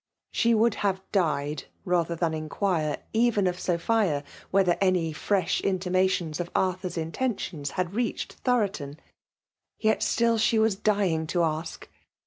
She would have died rather than inquire, even of Sophia, whether any fresh intimations of Arthur's intentions had reached Thoroton ; yet still she was dying to ask.